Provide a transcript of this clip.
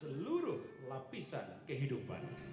seluruh lapisan kehidupan